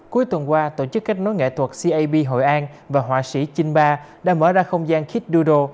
cuối tuần qua tổ chức kết nối nghệ thuật cab hội an và họa sĩ chinh ba đã mở ra không gian kit dudo